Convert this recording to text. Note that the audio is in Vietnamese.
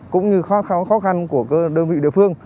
cũng như khó khăn của đơn vị địa phương